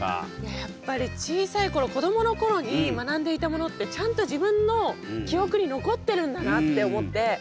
やっぱり小さい頃子どもの頃に学んでいたものってちゃんと自分の記憶に残ってるんだなって思って。